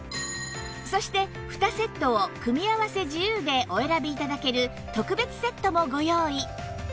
そして２セットを組み合わせ自由でお選び頂ける特別セットもご用意